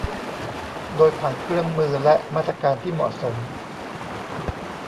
โดยผ่านเครื่องมือและมาตรการที่เหมาะสม